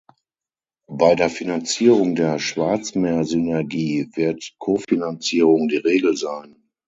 Bei der Finanzierung der Schwarzmeersynergie wird Kofinanzierung die Regel sein.